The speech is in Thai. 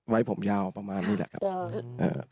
ไว้ผมยาวประมาณนี้แหละครับ